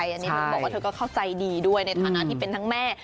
อันนี้ถึงบอกว่าเธอก็เข้าใจดีด้วยในฐานะที่เป็นทั้งแม่